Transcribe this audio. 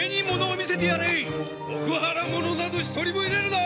六波羅者など一人も入れるな！